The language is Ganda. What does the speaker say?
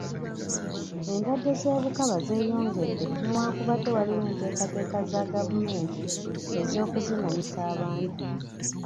Endwadde z'obukaba zeeyongedde newankubadde waliwo enteekateeka za gavumenti ez'okuzimanyisa abantu.